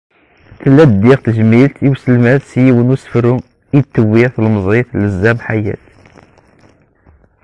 Tella-d diɣ tejmilt i uselmad s yiwen n usefru, i d-tewwi tlemẓit Lezzam Ḥayet.